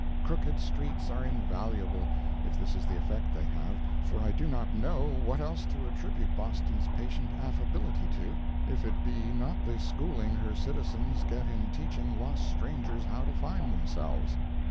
Crooked streets are invaluable, if this is the effect they have—for I do not know what else to attribute Boston's patient affability to if it be not the schooling her citizens get in teaching lost strangers how to find themselves.